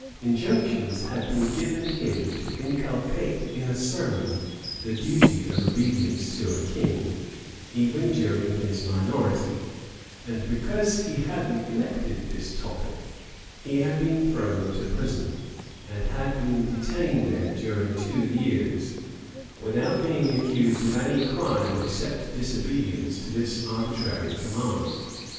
Injunctions had been given him to inculcate in a sermon the duty of obedience to a king, even during his minority; and because he had neglected this topic, he had been thrown into prison, and had been there detained during two years, without being accused of any crime except disobedience to this arbitrary command.